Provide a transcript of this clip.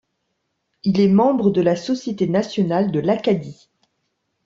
Il est membre de la Société nationale de l'Acadie.